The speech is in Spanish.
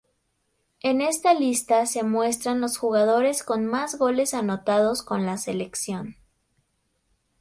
En esta lista se muestran los jugadores con más goles anotados con la selección.